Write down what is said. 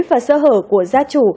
và sơ hở của gia chủ